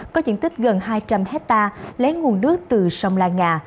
có diện tích gần hai trăm linh hectare lén nguồn nước từ sông la ngà